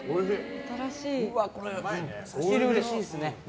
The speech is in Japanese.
差し入れにうれしいですね。